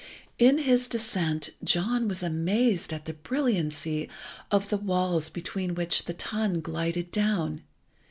In his descent John was amazed at the brilliancy of the walls between which the tun glided down.